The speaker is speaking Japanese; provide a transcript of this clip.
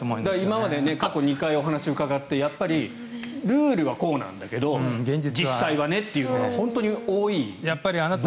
今まで過去２回お話を伺ってやっぱりルールはこうなんだけど実際はねというのが本当に多い分野だなと。